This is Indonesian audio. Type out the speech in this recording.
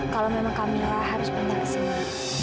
kalau memang camilla harus pindah ke sini